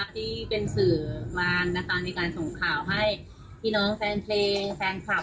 ที่เป็นสื่อมานะคะในการส่งข่าวให้พี่น้องแฟนเพลงแฟนคลับ